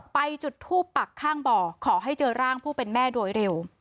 จุดทูปปักข้างบ่อขอให้เจอร่างผู้เป็นแม่โดยเร็ว